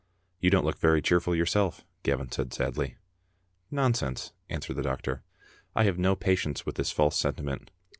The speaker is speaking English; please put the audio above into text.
"You don't look very cheerful yourself," Gavin said sadly. "Nonsense," answered the doctor. "I have no patience with this false sentiment.